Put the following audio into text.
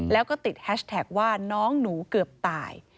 แล้วก็ติดแฮชแท็กว่าน้องหนูเกือบตาย